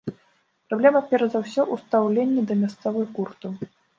Праблема перш за ўсё ў стаўленні да мясцовых гуртоў.